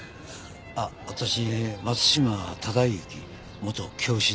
あっ私松島忠之元教師です。